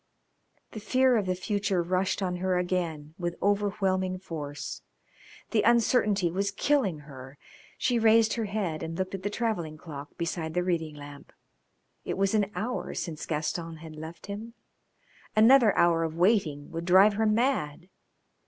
The fear of the future rushed on her again with overwhelming force. The uncertainty was killing her. She raised her head and looked at the travelling clock beside the reading lamp. It was an hour since Gaston had left him. Another hour of waiting would drive her mad.